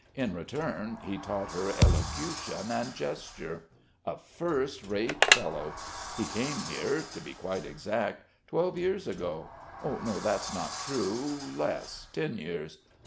In return he taught her elocution and gesture. A first rate fellow! He came here ... to be quite exact ... twelve years ago.... No, that's not true.... Less, ten years....